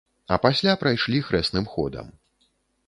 А пасля прайшлі хрэсным ходам.